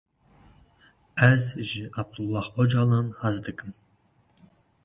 Ez ji Abdullah Ocalan haz dikim